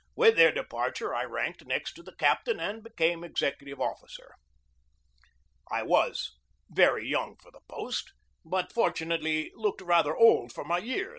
With their departure I ranked next to the captain and became executive officer. I was very young for the post, but fortunately looked rather old for my years.